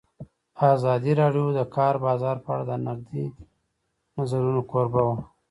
ازادي راډیو د د کار بازار په اړه د نقدي نظرونو کوربه وه.